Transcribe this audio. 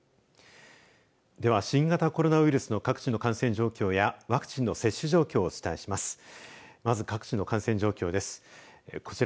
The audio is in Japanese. では新型コロナウイルスの各地の感染状況やワクチンの接種状況をお伝えします。